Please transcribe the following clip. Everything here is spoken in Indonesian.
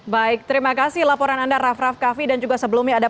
baik terima kasih laporan anda raff raff kaffi dan juga sebelumnya ada